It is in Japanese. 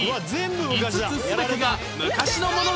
５つ全てが昔のものでした